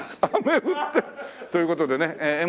という事でねえ